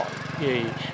tụ tập một số